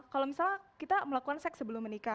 kalau misalnya kita melakukan seks sebelum menikah